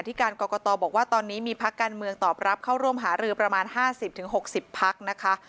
ที่การกรกตบอกว่าตอนนี้มีพักการเมืองตอบรับเข้าร่วมหารือประมาณ๕๐๖๐พักนะคะ